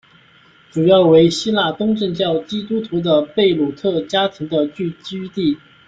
主要为希腊东正教基督徒的贝鲁特家庭的聚居地。